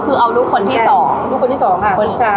ก็คือเอาลูกคนที่สองลูกคนที่สองค่ะผู้ชาย